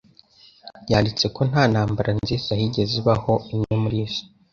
yanditse ko "Nta ntambara nziza yigeze ibaho imwe muri zo